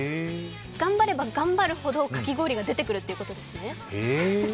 頑張れば頑張るほど、かき氷が出てくるということですね。